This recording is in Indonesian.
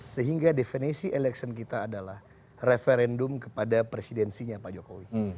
sehingga definisi election kita adalah referendum kepada presidensinya pak jokowi